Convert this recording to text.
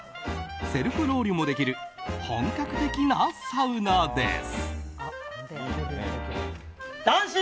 セルフロウリュもできる本格的なサウナです。